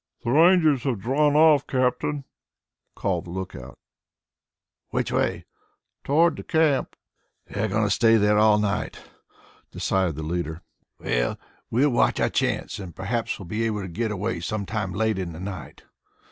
"The Rangers have drawn off, Captain," called the lookout. "Which way?" "Toward the camp." "They're going to stay there all night," decided the leader. "Well, we'll watch our chance and perhaps we'll be able to get away some time late in the night.